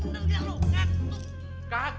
bener gak lo ngantuk